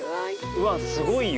うわっすごいよ。